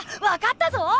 わかったぞ！